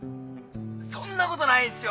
そんなことないっすよ